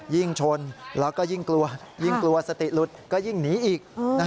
ยิ่งชนแล้วก็ยิ่งกลัวยิ่งกลัวสติหลุดก็ยิ่งหนีอีก